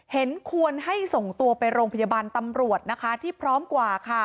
เห็นควรให้ส่งตัวไปโรงพยาบาลตำรวจนะคะที่พร้อมกว่าค่ะ